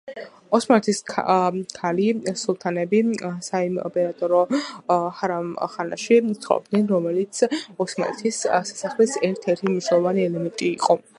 ოსმალეთის ქალი სულთნები საიმპერატორო ჰარამხანაში ცხოვრობდნენ, რომელიც ოსმალეთის სასახლის ერთ-ერთი მნიშვნელოვანი ელემენტი იყო.